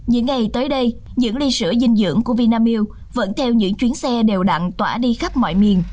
những ngày tới đây những ly sữa dinh dưỡng của vinamilk vẫn theo những chuyến xe đều đặn tỏa đi khắp mọi miền